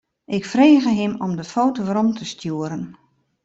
Ik frege him om de foto werom te stjoeren.